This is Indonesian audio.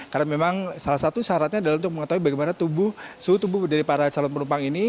karena memang salah satu syaratnya adalah untuk mengetahui bagaimana suhu tubuh dari para calon penumpang ini